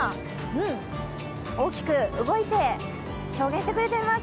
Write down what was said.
うん、大きく動いて表現してくれています。